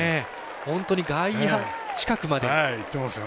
本当に外野近くまで。